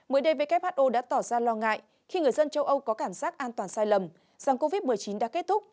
mới đây who đã tỏ ra lo ngại khi người dân châu âu có cảm giác an toàn sai lầm rằng covid một mươi chín đã kết thúc